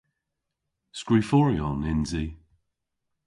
Skriforyon yns i.